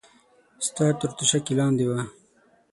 ستا تر توشکې لاندې وه.